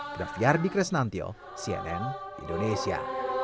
graf yardi kresnantyo cnn indonesia